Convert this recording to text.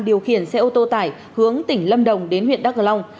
điều khiển xe ô tô tải hướng tỉnh lâm đồng đến huyện đắk cờ long